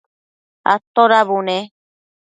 atoda bune?